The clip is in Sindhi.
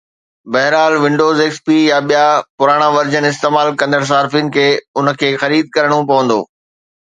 بهرحال، ونڊوز، XP يا ٻيا پراڻا ورجن استعمال ڪندڙ صارفين کي ان کي خريد ڪرڻو پوندو